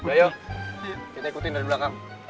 ayo kita ikutin dari belakang